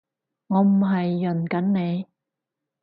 我唔係潤緊你